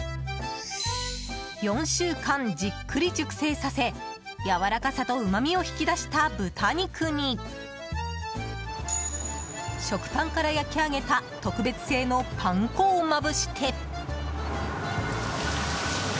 ４週間じっくり熟成させやわらかさとうまみを引き出した豚肉に食パンから焼き上げた特別製のパン粉をまぶして。